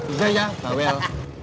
udah ya pak wel